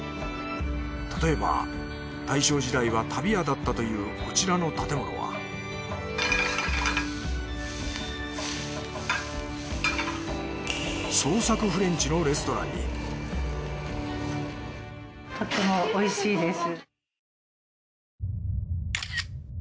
例えば大正時代は足袋屋だったというこちらの建物はとってもおいしいです。